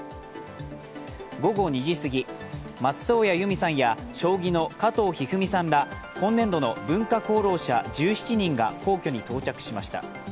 午後２時すぎ松任谷由実さんや将棋の加藤一二三さんら今年度の文化功労者１７人が皇居に到着しました。